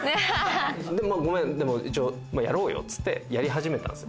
でもごめん、やろうよってやり始めたんですよ。